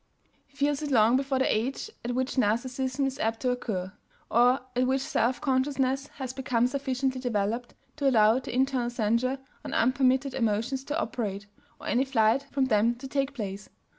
He feels it long before the age at which Narcissism is apt to occur, or at which self consciousness has become sufficiently developed to allow the internal censure on unpermitted emotions to operate, or any flight from them to take place.